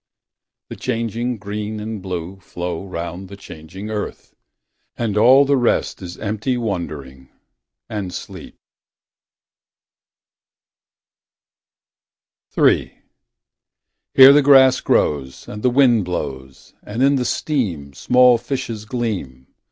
The changing green and blue Flow round the changing earth; And all the rest is empty wondering and sleep. III. Here the grass grows Here the grass grows. And the wind blows . And in the stream. Small fishes gleam.